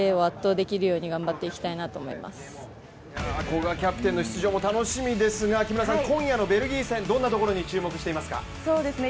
古賀キャプテンの出場も楽しみですが、今夜のベルギー戦、どんなところに注目していますか？